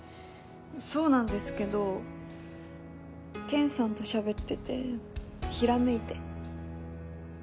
そうなんですけどケンさんとしゃべっててひらめいて。